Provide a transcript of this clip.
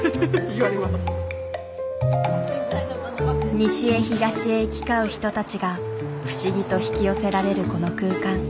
西へ東へ行き交う人たちが不思議と引き寄せられるこの空間。